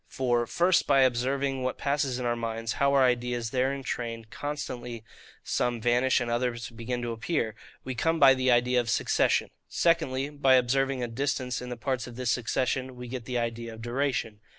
For, First, by observing what passes in our minds, how our ideas there in train constantly some vanish and others begin to appear, we come by the idea of SUCCESSION. Secondly, by observing a distance in the parts of this succession, we get the idea of DURATION.